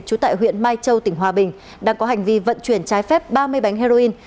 trú tại huyện mai châu tỉnh hòa bình đang có hành vi vận chuyển trái phép ba mươi bánh heroin